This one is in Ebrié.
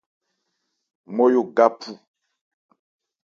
Ńmyɔ́ ga phu.